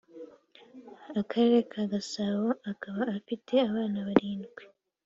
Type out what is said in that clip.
Akarere ka Gasabo akaba afite abana barindwi